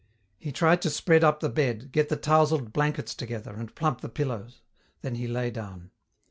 He tried to spread up the bed, get the tousled blankets together, and plump the pillows, then he lay down.